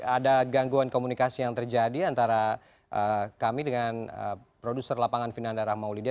ada gangguan komunikasi yang terjadi antara kami dengan produser lapangan vinanda rahmaulida